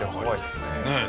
ねえ。